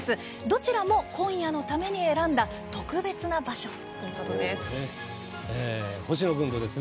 こちらも、今夜のために選んだ特別な場所だということなんです。